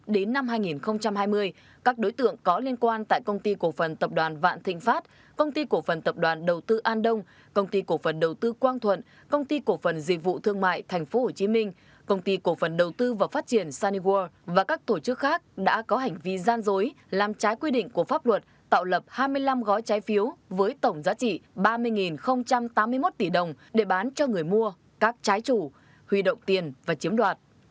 đến năm hai nghìn hai mươi các đối tượng có liên quan tại công ty cổ phần tập đoàn vạn thịnh pháp công ty cổ phần tập đoàn đầu tư an đông công ty cổ phần đầu tư quang thuận công ty cổ phần dịch vụ thương mại tp hcm công ty cổ phần đầu tư và phát triển sunnyworld và các tổ chức khác đã có hành vi gian dối làm trái quy định của pháp luật tạo lập hai mươi năm gói trái phiếu với tổng giá trị ba mươi tám mươi một tỷ đồng để bán cho người mua các trái chủ huy động tiền và chiếm đoạt